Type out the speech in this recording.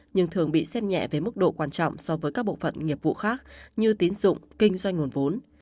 nhưng thường bị xem nhẹ về mức độ quan trọng so với các bộ phận nghiệp vụ khác như tiến dụng kinh doanh nguồn vốn